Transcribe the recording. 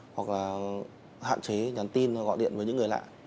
hoặc là hạn chế nhắn tin gọi điện với những người lạ